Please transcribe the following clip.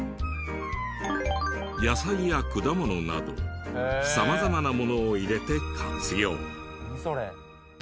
野菜や果物など様々なものを入れて活用。